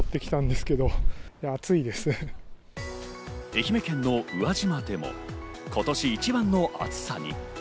愛媛県の宇和島でも、今年一番の暑さに。